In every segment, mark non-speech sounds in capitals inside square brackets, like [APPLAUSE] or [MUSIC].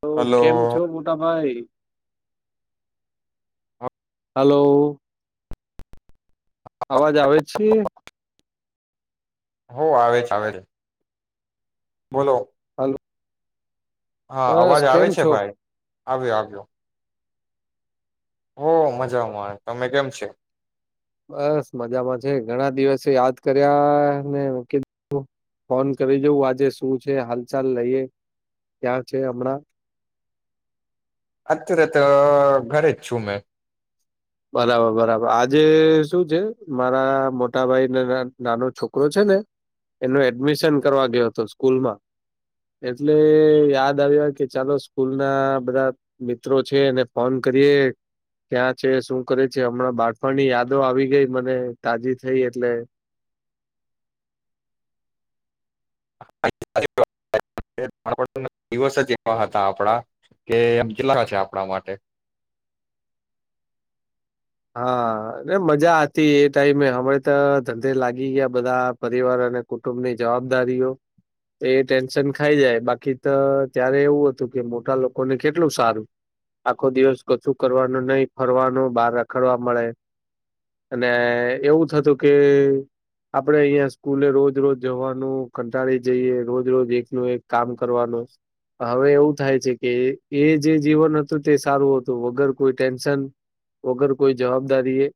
તો કેમ હલો છો મોટા ભાઈ? હાલો. અવાજ આવે છે? હો, આવે છે, આવે છે, બોલો? હાલો. હા, અવાજ આવે છે ભાઈ. આવ્યો આવ્યો. હો, મજામાં, તમે કેમ છે? બસ મજામાં છે. ઘણા દિવસે યાદ કર્યા ને કીધું ફોન કરી જોવ આજે શું છે હાલ ચાલ લઈએ. ક્યાં છે હમણાં? અત્યારે તો ઘરે જ છું મેં. બરાબર બરાબ આજે શું છે મારા મોટાભાઈને નાનો છોકરો છે ને એનો એડમિશન કરવા ગયો હતો સ્કૂલમાં એટલે યાદ આવ્યા કે ચાલો સ્કૂલ ના બધા મિત્રો છે એને ફોન કરીએ. ક્યાં છે શું કરે છે? હમણાં બાળપણની યાદો આવી ગઈ મને તાજી થઈ એટલે. [INAUDIBLE] એ આ લોકો [INAUDIBLE] દિવસ જ એ [INAUDIBLE] તા આપડા કે એમ કેટલા છે આપણા માટે? હા મજા હતી એ ટાઈમે. હમે તો ધંધે લાગી ગયા બધા પરિવાર અને કુટુંબની જવાબદારીઓ એ ટેન્શન ખાઈ જાય બાકી તો ત્યારે એવું હતું કે મોટા લોકોને કેટલું સારું આખો દિવસ કશું કરવાનું નહિ. ફરવાનું બાર કરવા મળે અને એવું થતું કે આપડે અહિયા સ્કૂલે રોજ રોજ જવાનું કંટાળી જઈએ. રોજ રોજ એકનું એક કામ કરવાનું પણ હવે એવું થાય છે કે એ જે જીવન હતું તે સારું હતું વગર કોઈ ટેન્શન, વગર કોઈ જવાબદારી એ.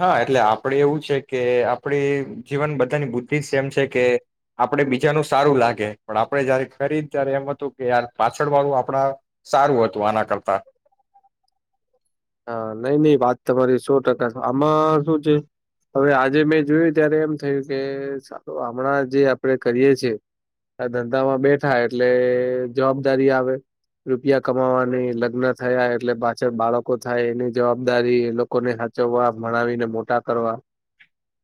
હા એટલે આપડે એવું છે કે આપડે જીવન બ તાની બુદ્ધિ સેમ છે કે આપડે બીજાનું સારું લાગે પણ આપડે જયારે કરીએ ત્યારે એમ હતું કે યાર પાછળ વાળું આપણા સારું હતું આના કરતા હા નઈ નઈ વાત તમારી સો ટકા આમાં શું છે હવે આજે મેં જોયું ત્યારે એમ થયું કે સાલુ હમણાં જે આપડે કરીય છેએ આ ધંધામાં બેઠા એટલે જવાબદારી આવે રૂપિયા કમાવાની લગ્ન થયા એટલે પાછળ બાળકો થાય એની જવાબદારી એ લોકોને હાચવવા ભણાવીને મોટા કરવા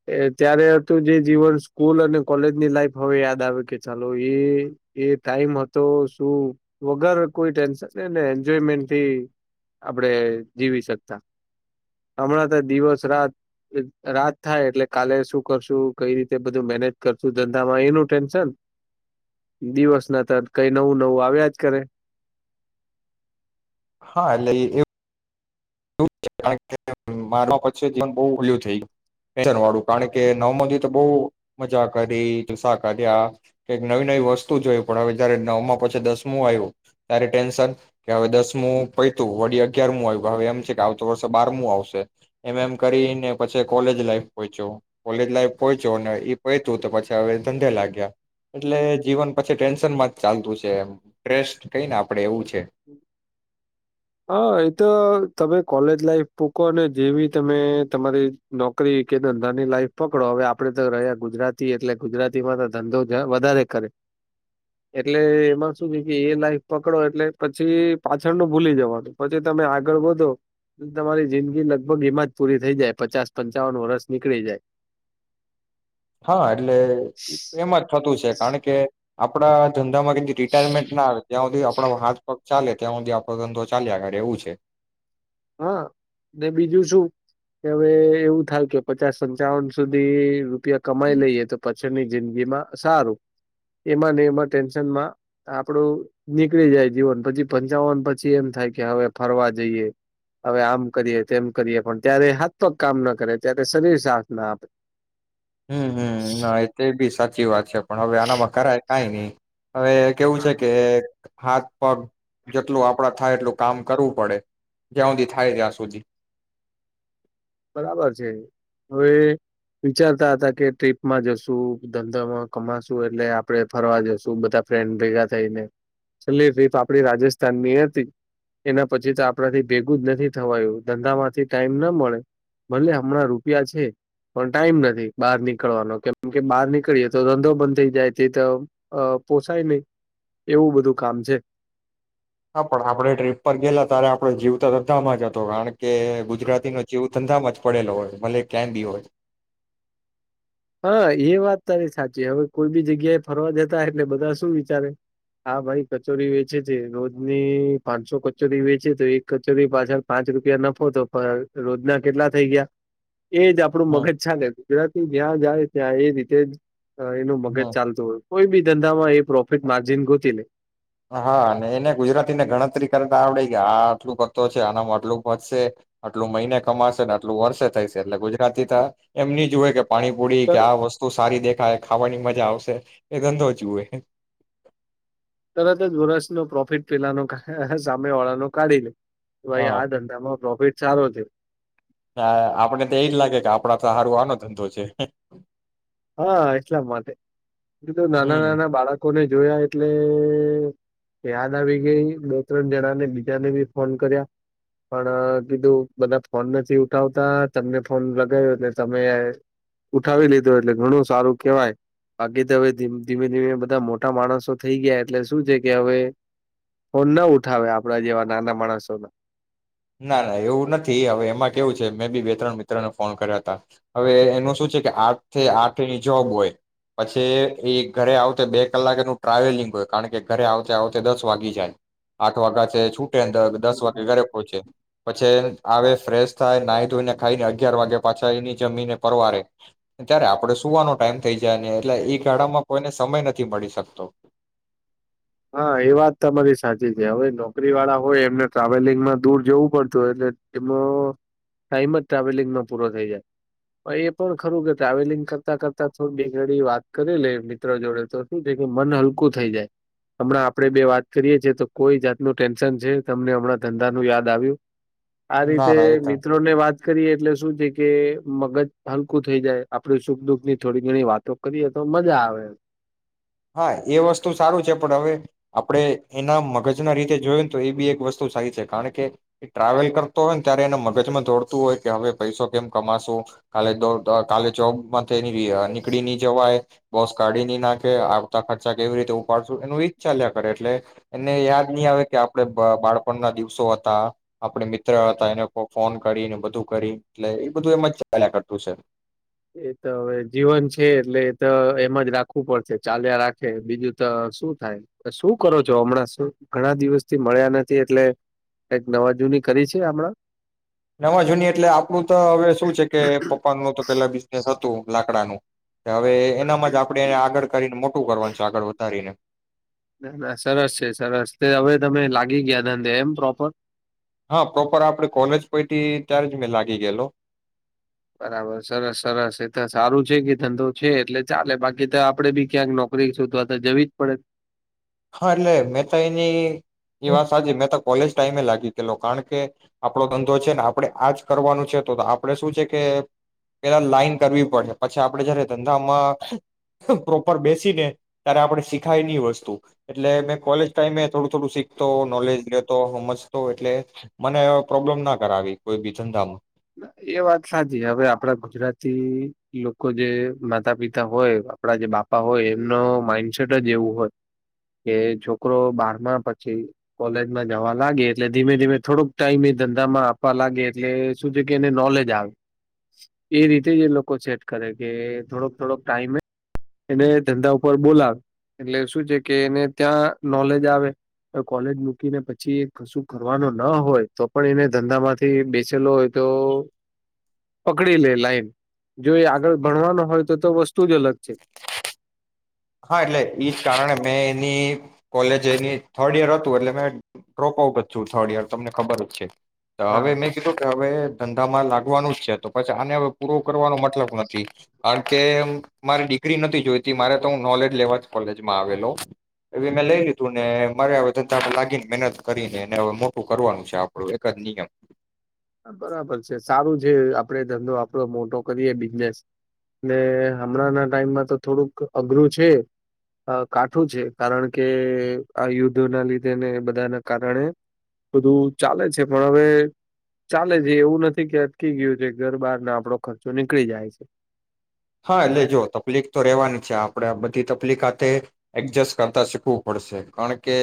એ ત્યારે હતું જે જીવન સ્કૂલ અને કોલેજની લાઈફ હવે યાદ આવે કે ચાલો એ ટાઈમ હતો શું વગર કોઈ ટેન્શન ને એન્જોયમેન્ટથી આપણે જીવી શકતા હમણાં તો દિવસ રાત, રાત થાય એટલે કાલે શું કરશું કઈ રીતે બધું મેનેજ કરશું ધંધામાં એનું ટેન્શન. દિવસ ના થાત કઈક નવું નવું આવ્યા જ કરે હા [UNINTELLIGIBLE] લઈ લીધુ [INAUDIBLE] બારમા પછી બહુ ઓલું થય ગયુ ટેનસન વાળું કારણ કે નવમાં તો બહુ મજા કરી, જલસા કર્યા, કઇક નવી નવી વસ્તુ જોય, પણ હવે જયારે નવમાં પછી દસમું આવ્યું ત્યારે ટેન્શન કે હવે દસમું પયતું વડી અગિયારમું આવ્યું હવે એમ કે આવતો વર્ષ બારમું આવશે એમ એમ કરીને પછી કોલેજ લાઈફ પોઇચો હુ. કોલેજ લાઈફ પોઇચો ને એ પયતું તો પછી હવે ધંધે લાગ્યા એટલે જીવન પછી ટેન્શનમાં માજ ચાલતું છે એમ સ્ટ્રેસ કઈને આપડે એવું છે. હા એ તો તમે કોલેજ લાઈફ મૂકો ને જેવી તમે તમારી નોકરી કે ધંધાની લાઈફ પકડો હવે આપડે તો રહ્યા ગુજરાતી એટલે ગુજરાતીમાં તો ધંધો વધારે કરે, એટલે એમાં શું છે કે એ લાઈફ પકડો એટલે પછી પાછળ ન ભૂલી જવાનું. પછી તમે આગળ વધો તમારી તો જિંદગી લગભગ એમાં જ પૂરી થઈ જાય પચાસ પંચાવન વર્ષ નીકળી જાય હા, એટલે એમ જ થતું છે. કારણ કે આપડા ધન ધા મા કઈ રિટાયરમેન્ટ ના આવે જ્યાં હુંધી આપડા હાથ પગ ચાલે ત્યાં હુંધી આપડો ધંધો ચાલ્યા કરે એવું છે. હા, અને બીજું શું કે હવે એવું થાય કે પચાસ પંચાવન સુધી રૂપિયા કમાઈ લઈએ તો પછી પાછળની જિંદગીમાં સારું એમાં ને એમાં ટેન્શનમાં આપડું નીકળી જાય જીવન પછી પંચાવન પછી એમ થાય કે હવે ફરવા જઈએ હવે આમ કરીએ તેમ કરીએ પણ ત્યારે હાથપગ કામ ના કરે ત્યારે શરીર સાથ ના આપે હમ હમ ના એ તો બી સાચ ચી વાત છે પણ હવે વ્યાહના મકારાય કઈ નહી હવે કેવું છે કે હા પગ જેટલું આપડા થાય એટલું કામ કરવું પડે જ્યાં સુધી થાય ત્યાં સુધી બરાબર છે હવે વિચારતા હતા કે ટ્રીપમાં જશું ધંધામાં કમાશું એટલે આપણે ફરવા જશું બધા ફ્રેન્ડ ભેગા થઈને છેલ્લી ટ્રીપ આપડી રાજસ્થાનની હતી એના પછી તો આપણાથી ભેગું જ નથી થવાયું ધંધામાંથી ટાઈમ ના મળે ભલે હમણાં રૂપિયા છે પણ ટાઈમ નથી બહાર નીકળવાનો કેમ કે બહાર નીકળીએ તો ધંધો બંધ થઇ જાય તે તો પોસાય નહી એવું બધું કામ છે. હા પણ આપડણે ટ્રીપ પર ગેલા ત્યારે આપડો જીવ તો બધામાં જ હતો કારણ કે કે ગુજરાતી ન જેવુ ધંધામાં જ પડેલો હોય મલે ક્યાં બી હોય હા એ વાત તારી સાચી હવે કોઈ બી જગ્યા એ ફરવા જતા એટલે બધા શું વિચારે હા ભાઈ કચોરી વેચે છે રોજની પાંચસો કચોરી વેચે તો એક કચોરી પાછળ પાંચ રૂપિયા નફો તો રોજના કેટલા થઈ ગયા? એજ આપડું હમ મગજ છે ને ગુજરાતી જાય ત્યાં એ રીતે જ એનું મગજ હમ ચાલતું હોય. કોઈ બી ધંધામાં એ પ્રોફિટ માર્જિન ગોતી લઈ હા અને એને ગુજરાતીને ગણતરી કરતા આવડે કે આ આટલું પતો છે આનામાં આટલું વધશે આટલું મહિને કમાશે ને આટલું વર્ષે થઈશે એટલે ગુજરાતી તો એમની જ હોય કે પાણીપુડી કે આ વસ્તુ સારી દેખ ખાવાની મજા આવશે એ ધંધો જુએ તરત જ વર્ષનો પ્રોફિટ પેલાનો સામે વાળાનો કાઢી લે ભાઈ હા આ ધંધામાં પ્રોફિટ સારો છે. હા આપડે તો એજ લાગે કે આપડા તો સારો આનો ધંધો છે. હા એટલા માટે બીજું નાના હમ નાના બાળકોને જોયા એટલે યાદ આવી ગઈ બે ત્રણ જણા ને બીજાને બી ફોન કર્યા પણ કીધું બધા ફોન નથી ઉઠાવતા તમને ફોન લગાવ્યો એટલે તમે ઉઠાવી લીધો એટલે ઘણું સારું કેવાય બાકી તો હવે ધીમે ધીમે બધા મોટા માણસો થઈ ગયા એટલે શું છે કે હવે ફોન ના ઉઠાવે આપડા જેવા નાના માણસોના ના ના એવું નથી હવે એમાં કેવું છે મે બી બે ત્રણ મિત્રને ફોન કર્યા હતા. હવે એનું શું છે. કે આઠથી આઠની જોબ હોય પછી એ ઘરે આવતે બે કલાકનું ટ્રાવેલિંગ હોય કારણ કે ઘરે આવતે આવતે દસ વાગી જાય આઠ વાગ્યા છે છૂટે ને દસ વાગે ઘરે પહોંચે. પછી આવે ફ્રેશ થાય નાઇ ધોઈને ખાઈને અગિયાર વાગે પાછા એની જમીને પરવારે ત્યારે આપણે સુવાનો ટાઈમ થઈ જાય ને એટલે એ ગાળામાં કોઈને સમય નથી મળી શકતો. હા એ વાત તમારી સાચી છે. હવે નોકરી વાળા હોય એમને ટ્રાવેલિંગમાં દૂર જવું પડતું હોય એટલે એમાં ટાઈમ જ ટ્રાવેલિંગમાં પૂરો થઈ જાય. હવે એ પણ ખરું કે ટ્રાવેલિંગ કરતા કરતા થોડી બે ઘડી વાત કરી લે મિત્ર જોડે તો શું છે કે મન હલકું થઈ જાય. હમણાં આપડે બે વાત કરીએ છીએ તો કોઈ જાતનું ટેન્શન છે તમને હમણાં ધંધા નું યાદ આવ્યું? આ ના રીતે ના એ તો મિત્રો ને વાત કરીએ એટલે શું છે કે મગજ હલકું થઈ જાય આપડ સુખ દુઃખની થોડી ઘણી વાતો કરીએ તો મજા આવે હા એ વસ્તુ સારું છે પણ હવે આપણેે એના મગજના રીતે જોય ને તો એ બી એક વસ્તુ સારી છે કારણ કે એ ટ્રાવેલ કરતો હોય ને ત્યારે એના મગજમાં દોડતું હોય કે હવે પૈસો કેમ કમાશું કાલે દોડ કાલે જોબ માંથી નીકળી નહી જવાય બોસ કાઢી નહી નાખે કે આવતા ખર્ચા કેવી રીતે ઉપાડશું એનું એ ચાલ્યા કરે એટલે એને યાદ નહી આવે કે આપડે બાળપણના દિવસો હતા આપણે મિત્ર હતા એને ફોન કરીને બધું કરી એટલે એ બધું એમ જ ચાલ્યા કરતું છે. એ તો હવે જીવન છે એટલે એ તો એમાં જ રાખવું પડશે. ચાલ્યા રાખે બીજું તો શું થાય શું કરો છો હમણાં ઘણા દિવસ થી મળ્યા નથી એટલે કઈક નવા જૂની કરી છે હમણાં નવા જૂની એટલે આપણું તો હવે શું છે કે પપ્પા હતું તો પહેલાથી હતું લાકડાનું હવે, એનામાં જ આપણે એને આગળ કરીને મોટું કરવાનું છે. આગળ વધારીને, ના ના સરસ છે, સરસ તે હવે તમે લાગી ગયા ધંધે એમ પ્રોપર. હ પ્રોપર આપડે કોલેજ પયટી ત્યારે જ મેં લાગી ગેલો. બરાબર સરસ-સરસ એ તો સારું છે કે ધંધો છે. એટલે ચાલે બાકી તો આપડે બી ક્યાંક નોકરી શોધવા તો જવી જ પડે. હ, એટલે મેં તો એની એ વા સા જે મેં તો કોલેજ ટાઈમે લાગી કે લો કાણ કે આપડો ધંધો છે ને આપડણે આજ કરવાનો છે તો આપડણે શું છે કે પેલા લાઈન કરવી પડે, પછી આપડે જયારે ધંધામાં પ્રોપર બેસીને ત્યારે આપણે શીખાયની વસ્તુ. એટલે મેં કોલેજ ટાઈમે થોડું થોડું શીખતો નોલેજ લેતો હમજતો, એટલે મને પ્રોબ્લેમ ના કરાવી કોઈ બીજુ ધામ એ વાત સાચી. હવે આપડા ગુજરાતી લોકો જે માતા પિતા હોય આપડા જે બાપા હોય એમનો માઈન્ડસેટ જ એવું હોય, કે છોકરો બારમાં પછી કોલેજમાં જવા લાગે એટલે ધીમે ધીમે થોડક ટાઈમ એ ધંધામાં આપવા લાગે. એટલે શું છે કે એને નોલેજ આવે. એ રીતે જ એ લોકો સેટ કરે કે થોડોક-થોડોક ટાઈમે એને ધંધા ઉપર બોલાવે એટલે શું છે કે, એને ત્યાં નોલેજ આવે એ કોલેજ મૂકીને પછી કશું કરવાનું ન હોય તો પણ એને ધંધામાંથી બેસેલો તો પકડી લે લાઈન જો એ આગળ ભણવાનો હોય તો તો વસ્તુ જ અલગ છે. હ, એટલે એજ કારણે મેં એની કોલેજ એની થર્ડ ઈયર હતું, એટલે મેં ડ્રોપ આઉટ જ છું થર્ડ યર તમને ખબર જ છે. ત હા હવેમેં કીધું કે હવે. ધંધામાં લાગવાનું જ છે, તો પછી આને હવે પૂરો કરવાનો મતલબ નથી. અણ કેમ મારી ડિગ્રી નથી જોઈતી મારે એનો નોલેજ લેવા જ કોલેજમાં આવેલો. એવી મેં લઈ લીધું ને મારે હવે ધધામાં લાગીને મહેનત કરીને હ મોટું કરવાનું છે આપણું એક જ નિયમ. બરાબર છે સારું છે. આપડે ધંધો આપડો મોટો કરીએ બિઝનેસ ને હમણાં ના ટાઈમમાં તો થોડુંક અઘરું છે કાઠું છે. કારણ કે આ યુદ્ધ ના લીધેને બધાના કારણે બધું ચાલે છે, પણ હવે ચાલે છે. એવું નથી કે અટકી ગયું છે ઘર બહારનો આપડો ખર્ચો નીકળી જાય છે. હા એટલે જો તકલીફ તો રેવાની છે આપણે આ બધી તકલીક હાથે એડજસ્ટ કરતા શીખવું પડશે. કારણ કે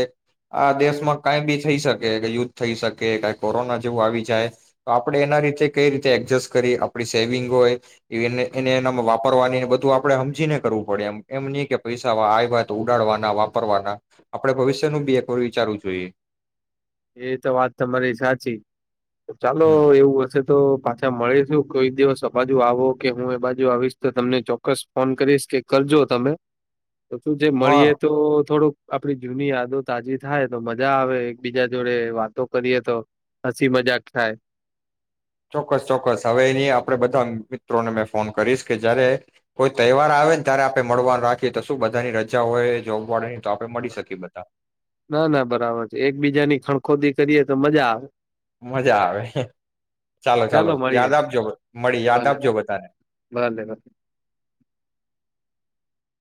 આ દેશમાં કઈ બી થઈ શકે યુદ્ધ થઈ શકે ક કોરોના જેવું આવી જાય તો આપણે એના રીતે કઈ રીતે એડજસ્ટ કરી આપડી સેવિંગ હોય એને એ વાપરવાની બધું આપણે હમજીને કરવું પડે એમ, એમની કે પૈસા આવ્યા તો ઉડાડવાના વાપરવાના આપણે ભવિષ્યનું બી એક વાર વિચારવું જોઈએ. એ તો વાત તમારી સાચી. ચાલો એવું હશે તો પાછા મળીશું કોઈ દિવસ તો બાજુ આવો કે હું એ બાજુ આવીશ તો તમને ચોક્કસ ફોન કરીશ કે કરજો તમે તો શું જે હા મળીએ તો થોડુંક આપડી જૂની યાદો તાજી થાય. તો મજા આવે એક બીજા જોડે વાતો કરીએ, તો હસી મજાક થાય. ચોક્કસ ચોક્કસ હવેની આપડે બધા મિત્રોને મે ફોન કરીશ કે જયારે કોઈ તહેવાર આવે ને ત્યારે આપે મળવાનું રાખીએ તો શું બધાની રજા હોય જોબવાળા ના ના બરાબર છે, એકબીજાની ખણખોદી કરીએ તો મજા આવે. મજા આવે. ચાલો ચાલો યાદ આપજો. મળી યાદ ભલે આપજો બધાને. ભલે ભલે